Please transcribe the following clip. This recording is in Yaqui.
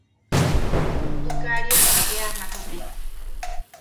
Tukaria abe a jajame.